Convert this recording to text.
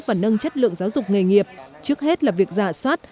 và nâng chất lượng giáo dục nghề nghiệp trước hết là việc giả soát